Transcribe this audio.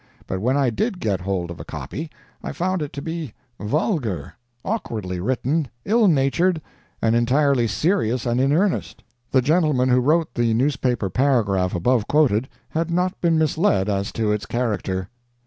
But when I did get hold of a copy, I found it to be vulgar, awkwardly written, ill natured, and entirely serious and in earnest. The gentleman who wrote the newspaper paragraph above quoted had not been misled as to its character.